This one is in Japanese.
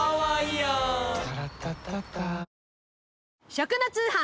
食の通販。